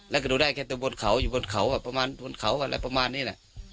และก็ดูได้แต่บนเขาอยู่บนเขาอะไรประมาณนี้